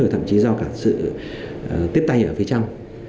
và thậm chí do cả sự tiếp tay ở phía trong